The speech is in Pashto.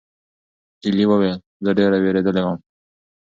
ایلي وویل: "زه ډېره وېرېدلې وم."